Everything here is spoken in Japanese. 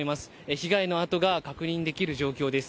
被害の跡が確認できる状況です。